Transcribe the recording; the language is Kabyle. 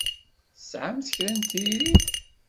Tesɛamt kra n tiririt?